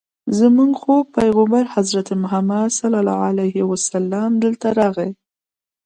زموږ خوږ پیغمبر حضرت محمد صلی الله علیه وسلم دلته راغی.